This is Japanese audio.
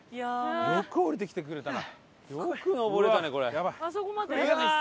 よく下りてきてくれたな。